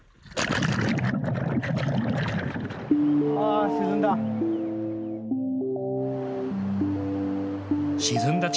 あー、沈んだ。